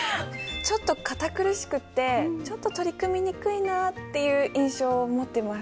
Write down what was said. ちょっと堅苦しくってちょっと取り組みにくいなっていう印象を持ってます。